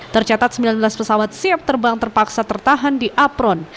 tercatat sembilan belas pesawat siap terbang terpaksa tertahan di apron